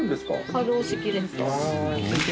可動式です。